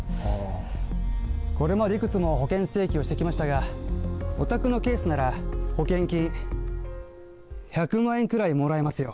これまでいくつも保険請求してきましたが、お宅のケースなら、保険金１００万円くらいもらえますよ。